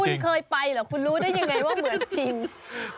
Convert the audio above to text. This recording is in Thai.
คุณเคยไปเหรอคุณรู้ได้ยังไงว่าเหมือนจริง